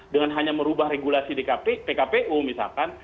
dengan hanya merubah regulasi di pkpu misalkan